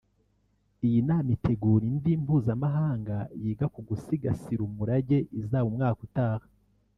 Iyi nama itegura indi mpuzamahanga yiga ku gusigasira umurage izaba umwaka utaha